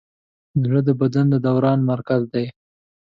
زړه د بدن د دوران مرکز دی.